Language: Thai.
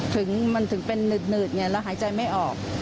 ถึงมันเป็นเนื๋ดมันหายใจไม่ออก